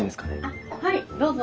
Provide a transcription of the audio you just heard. あっはいどうぞ。